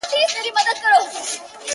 همدومره به د رب کریم رحمتونه